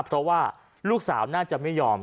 เพราะว่าลูกสาวน่าจะไม่ยอม